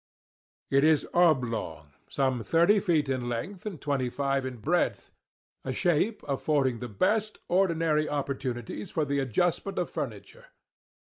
It is oblong—some thirty feet in length and twenty five in breadth—a shape affording the best(ordinary) opportunities for the adjustment of furniture.